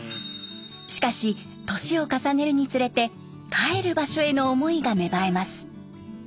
しかし年を重ねるにつれて帰る場所への思いが芽生えます。